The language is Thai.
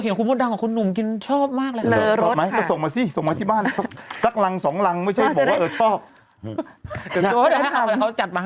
ลูกค้าว่าเห็นในคุณพ่อดำเค้าหนุ่มกินชอบมากเลยครับ